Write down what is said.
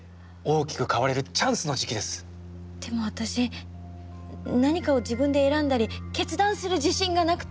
でも私何かを自分で選んだり決断する自信がなくて。